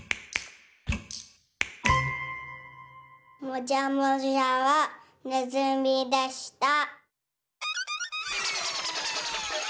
もじゃもじゃはねずみでした。